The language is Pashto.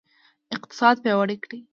اقتصاد پیاوړی کړئ